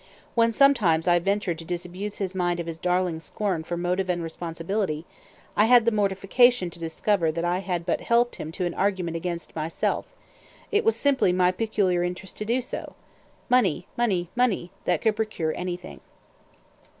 When, sometimes, I ventured to disabuse his mind of his darling scorn for motive and responsibility, I had the mortification to discover that I had but helped him to an argument against myself: it was simply "my peculiar interest to do so." Money, money, money! that could procure anything.